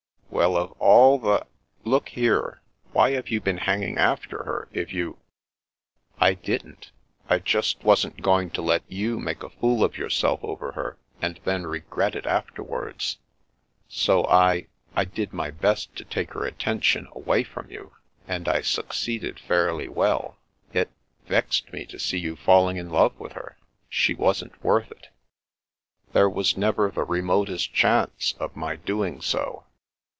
" Well, of all the Look here, why have you been hanging after her, if you "" I didn't. I just wasn't going to let you make a fool of yourself over her, and then regret it after wards. So I — I did my best to take her attention away from you, and I succeeded fairly well. It — vexed me to see you falling in love with her. She wasn't worth it." "There was never the remotest chance of my doing so."